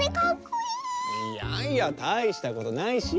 いやいやたいしたことないし！